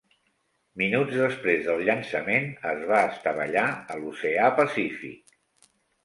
Minuts després del llançament es va estavellar a l'oceà Pacífic.